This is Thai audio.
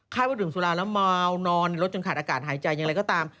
ว่าดื่มสุราแล้วเมานอนรถจนขาดอากาศหายใจอย่างไรก็ตาม